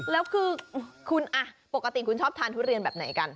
แล้วคือคุณปกติคุณชอบทานทุเรียนแบบไหนกัน